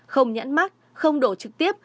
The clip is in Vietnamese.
không nhãn mắt không đổ trực tiếp